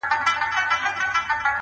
د وطن بوټو ته لوگى دى .!